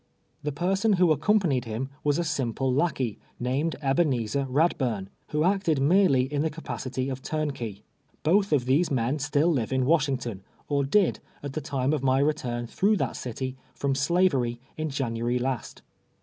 The person who accompanied him was a simple lackey, named Ebe nezer luulljui n, who acted merely in the capacity of turnkey. Both of these men still live in Washington, or did, at the time of my return through that city from slavery in January last.